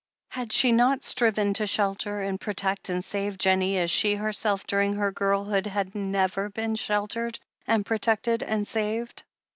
Had she not striven to shelter and protect and save Jennie as she herself during her girlhood had never been sheltered and protected and saved?